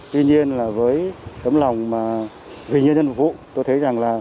tuy nhiên là với tấm lòng mà vì nhân vụ tôi thấy rằng